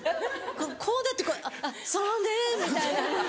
こうなって「あっそうねぇ！」みたいな。